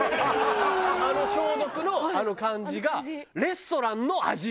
あの消毒のあの感じがレストランの味なの俺は。